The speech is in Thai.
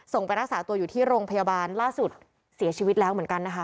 ไปรักษาตัวอยู่ที่โรงพยาบาลล่าสุดเสียชีวิตแล้วเหมือนกันนะคะ